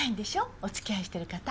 お付き合いしてる方。